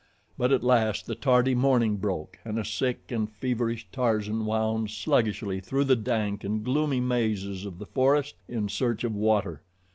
But at last the tardy morning broke and a sick and feverish Tarzan wound sluggishly through the dank and gloomy mazes of the forest in search of water.